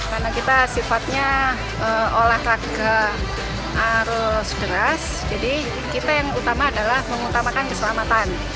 karena kita sifatnya olahraga arus deras jadi kita yang utama adalah mengutamakan keselamatan